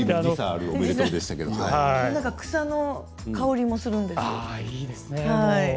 草の香りもするんですよね。